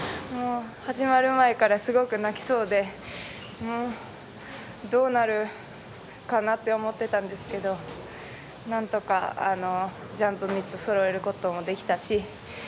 始まる前からすごく泣きそうで、どうなるかなって思ってたんですけどなんとか、ジャンプ３つそろえることもできたし。